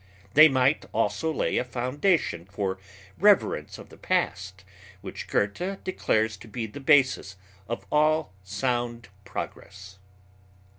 They might also lay a foundation for reverence of the past which Goethe declares to be the basis of all sound progress.